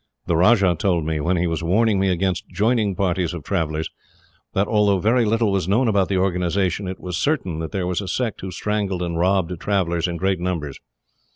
"The Rajah told me, when he was warning me against joining parties of travellers, that although very little was known about the organisation, it was certain that there was a sect who strangled and robbed travellers in great numbers.